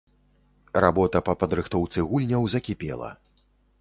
Работа па падрыхтоўцы гульняў закіпела.